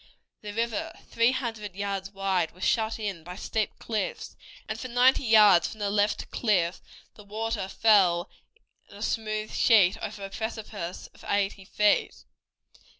The river, three hundred yards wide, was shut in by steep cliffs, and for ninety yards from the left cliff the water fell in a smooth sheet over a precipice of eighty feet.